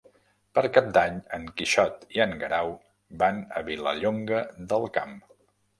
Per Cap d'Any en Quixot i en Guerau van a Vilallonga del Camp.